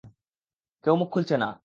কেউ মুখ খুলছে না।